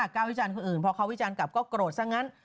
วิจารณ์คนอื่นพอเขาวิจารณ์กลับก็โกรธซะงั้น